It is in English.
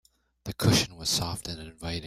The cushion was soft and inviting.